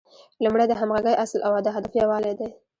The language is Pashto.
لومړی د همغږۍ اصل او د هدف یووالی دی.